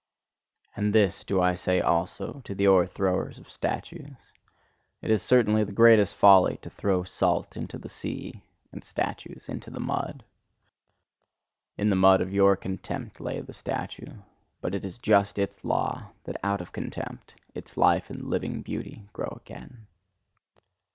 And this do I say also to the o'erthrowers of statues: It is certainly the greatest folly to throw salt into the sea, and statues into the mud. In the mud of your contempt lay the statue: but it is just its law, that out of contempt, its life and living beauty grow again!